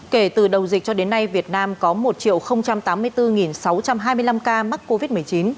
kể từ đầu dịch cho đến nay việt nam có một tám mươi bốn sáu trăm hai mươi năm ca mắc covid một mươi chín